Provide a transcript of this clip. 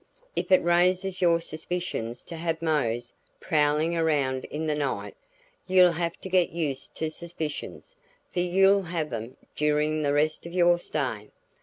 "If it raises your suspicions to have Mose prowling around in the night, you'll have to get used to suspicions; for you'll have 'em during the rest of your stay.